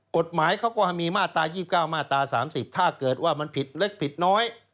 กฎหมายเขาก็มีมาตรา๒๙มาตรา๓๐ถ้าเกิดว่ามันผิดเล็กผิดน้อย